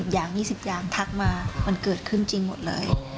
อย่าง๒๐อย่างทักมามันเกิดขึ้นจริงหมดเลย